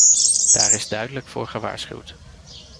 Daar is duidelijk voor gewaarschuwd.